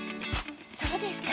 そうですか。